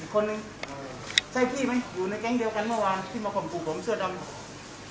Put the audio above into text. คนหนึ่งใช่พี่มันอยู่ในแก๊งเดียวกันเมื่อวานที่มาข่มขู่ผมเสื้อดำ